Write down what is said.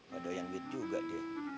waduh yang duit juga deh